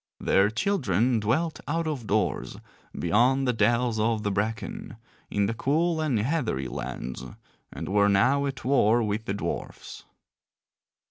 Their children dwelt out of doors beyond the dells of the bracken, in the cool and heathery lands, and were now at war with the dwarfs.